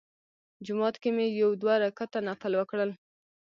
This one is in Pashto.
جومات کې مې یو دوه رکعته نفل وکړل.